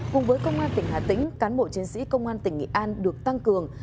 cùng với công an tỉnh hà tĩnh cán bộ chiến sĩ công an tỉnh nghệ an được tăng cường